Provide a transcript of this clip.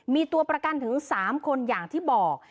มีตัวประกันถึง๓คนอย่างที่บอก